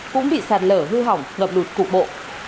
cũng bị sạt lở hư hỏng ngập lụt cục bộ